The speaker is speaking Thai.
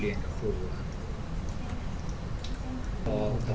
ส่วนยังแบร์ดแซมแบร์ด